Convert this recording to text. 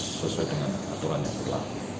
dan proses sesuai dengan aturan yang berlaku